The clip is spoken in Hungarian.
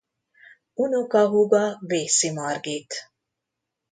Unokahúga Vészi Margit.